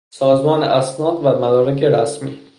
سازمان اسناد و مدارک رسمی